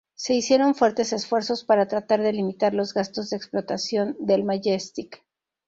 Se hicieron fuertes esfuerzos para tratar de limitar los gastos de explotación del "Majestic".